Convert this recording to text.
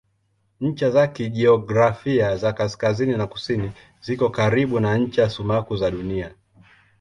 Ncha za kijiografia za kaskazini na kusini ziko karibu na ncha sumaku za Dunia.